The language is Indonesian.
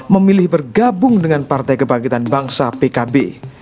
memilih bergabung dengan partai kebangkitan bangsa pkb